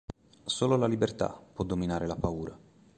Solo la libertà può dominare la paura.